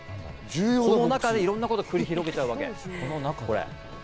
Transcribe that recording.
この中でいろんなことを繰り広げちゃうわけ。